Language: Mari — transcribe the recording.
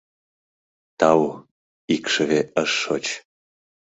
Тау, икшыве ыш шоч.